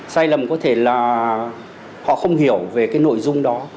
sai lầm có thể là họ không hiểu về cái nội dung đó